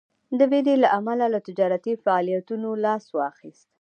د ویرې له امله له تجارتي فعالیتونو لاس واخیست.